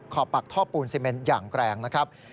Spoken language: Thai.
ปักท่อปูนซีเมนอย่างแรงนะครับ